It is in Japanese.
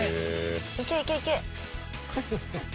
いけいけいけ！